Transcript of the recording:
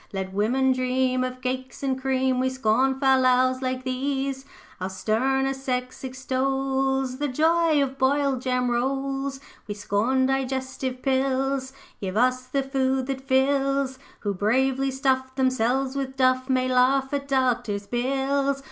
Let women dream Of cakes and cream, We scorn fal lals like these; Our sterner sex extols The joy of boiled jam rolls. 'We scorn digestive pills; Give us the food that fills; Who bravely stuff Themselves with Duff, May laugh at Doctor's bills.